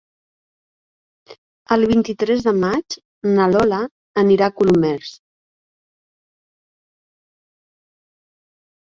El vint-i-tres de maig na Lola anirà a Colomers.